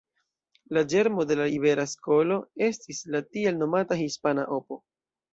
La ĝermo de la Ibera Skolo estis la tiel nomata Hispana Opo.